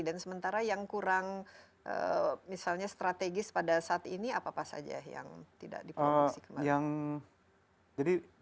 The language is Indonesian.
dan sementara yang kurang misalnya strategis pada saat ini apa apa saja yang tidak diproduksi kemarin